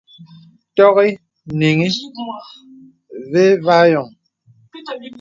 Tɔŋì nìŋì və̄ və a yɔ̄ŋ.